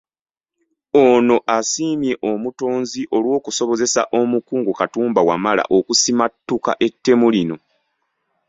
Ono asiimye Omutonzi olw'okusobozesa omukungu Katumba Wamala okusimattuka ettemu lino.